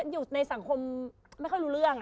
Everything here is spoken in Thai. อยู่ในสังคมไม่ค่อยรู้เรื่อง